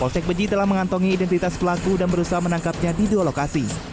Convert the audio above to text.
polsek beji telah mengantongi identitas pelaku dan berusaha menangkapnya di dua lokasi